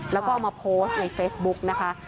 แล้วก็เอามาโพสต์ในเฟซบุ๊กนะคะ